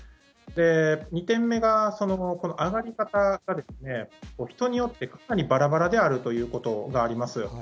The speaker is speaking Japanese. ２点目が、その上がり方が人によってかなりばらばらであるということがあります。